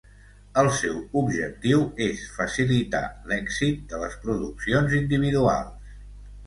El seu objectiu és facilitar l'èxit de les produccions individuals.